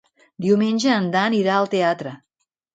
Diumenge en Dan irà al teatre.